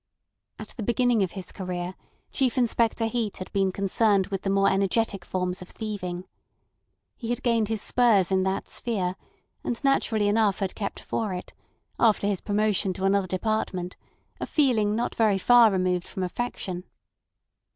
At the beginning of his career Chief Inspector Heat had been concerned with the more energetic forms of thieving. He had gained his spurs in that sphere, and naturally enough had kept for it, after his promotion to another department, a feeling not very far removed from affection.